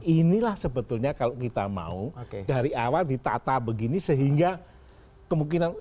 inilah sebetulnya kalau kita mau dari awal ditata begini sehingga kemungkinan